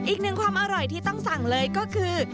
อีกหนึ่งความอร่อยที่ต้องสั่งเลยก็คือ